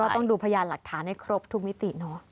ต้องดูพยานหลักฐานให้ครบทุกมิติเนอะ